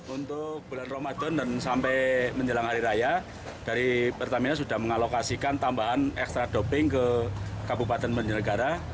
untuk bulan ramadan dan sampai menjelang hari raya dari pertamina sudah mengalokasikan tambahan ekstra doping ke kabupaten banjargara